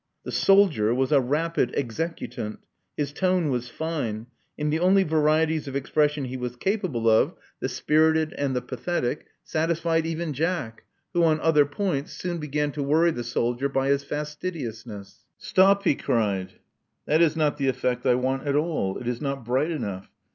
The soldier was a rapid executant; his tone was fine; and the only varieties of expression he was capable of, the spirited Love Among the Artists 41 and the pathetic, satisfied even Jack, who, on other points, soon began to worry the soldier by his fastidiousness. Stop," he cried. That is not the effect I want at all. It is not bright enough.